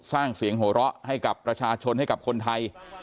สร้างเสียงหัวเราะให้กับประชาชนให้กับคนไทย